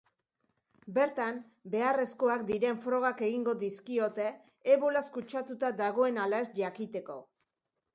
Bertan, beharrezkoak diren frogak egingo dizkiote ebolaz kutsatuta dagoen ala ez jakiteko.